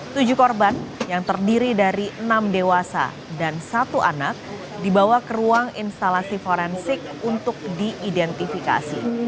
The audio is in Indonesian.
tujuh korban yang terdiri dari enam dewasa dan satu anak dibawa ke ruang instalasi forensik untuk diidentifikasi